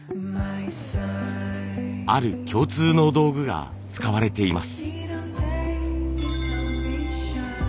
ある共通の道具が使われています。